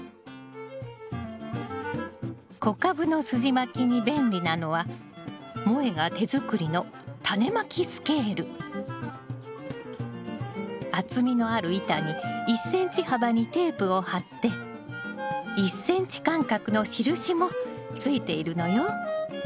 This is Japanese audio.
小株のすじまきに便利なのはもえが手作りの厚みのある板に１ｃｍ幅にテープを貼って１ｃｍ間隔の印もついているのよ。